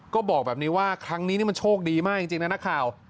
ก็บอกแบบนี้ว่าครั้งนี้มันโชคดีมากจริงนะนักข่าว